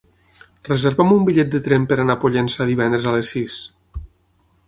Reserva'm un bitllet de tren per anar a Pollença divendres a les sis.